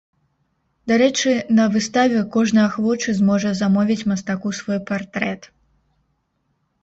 Дарэчы, на выставе кожны ахвочы зможа замовіць мастаку свой партрэт.